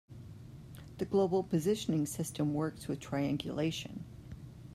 The global positioning system works with triangulation.